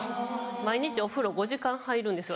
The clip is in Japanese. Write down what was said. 毎日お風呂５時間入るんですよ